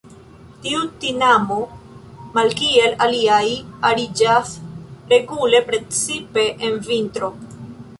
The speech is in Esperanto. Tiu tinamo, malkiel aliaj, ariĝas regule, precipe en vintro.